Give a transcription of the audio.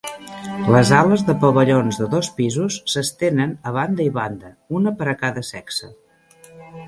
Les ales de pavellons de dos pisos s'estenen a banda i banda, una per a cada sexe.